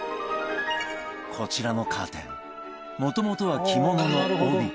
こちらのカーテンもともとは着物の帯